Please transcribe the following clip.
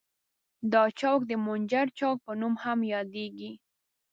دا چوک د منجر چوک په نوم هم یادیږي.